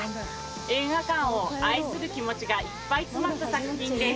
映画館を愛する気持ちがいっぱい詰まった作品です。